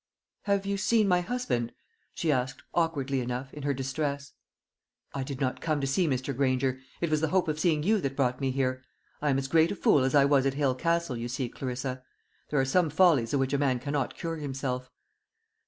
"Have you seen my husband?" she asked, awkwardly enough, in her distress. "I did not come to see Mr. Granger. It was the hope of seeing you that brought me here. I am as great a fool as I was at Hale Castle, you see, Clarissa. There are some follies of which a man cannot cure himself."